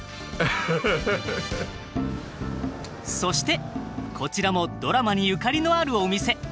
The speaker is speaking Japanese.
そしてこちらもドラマにゆかりのあるお店。